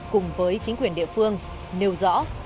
cùng với chính quyền địa phương nêu rõ